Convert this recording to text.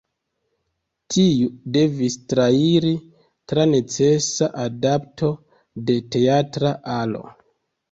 Tiu devis trairi tra necesa adapto de teatra alo.